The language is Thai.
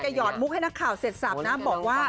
หยอดมุกให้นักข่าวเสร็จสับนะบอกว่า